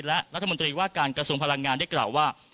และรัฐมนตรีว่าการกระทรวงพลังงานได้กล่าวว่า